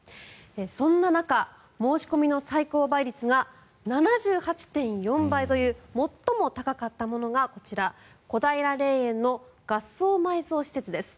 そんな中、申し込みの最高倍率が７８．４倍という最も高かったものがこちら小平霊園の合葬埋蔵施設です。